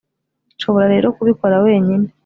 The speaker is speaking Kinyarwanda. nshobora rero kubikora wenyine.